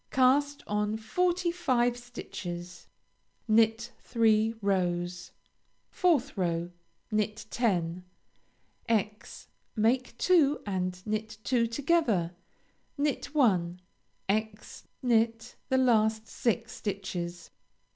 Cast on forty five stitches. Knit three rows. 4th row Knit ten; × make two and knit two together; knit one; × knit the last six stitches.